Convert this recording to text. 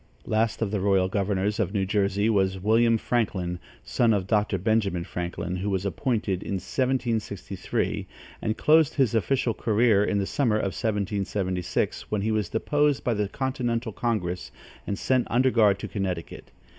Last of the royal governors of New Jersey was William Franklin, son of Dr. Benjamin Franklin, who was appointed in 1763, and closed his official career in the summer of 1776, when he was deposed by the continental congress and sent under guard to Connecticut.